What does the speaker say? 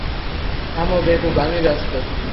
থাম বেকুব, আমি ব্যস্ত।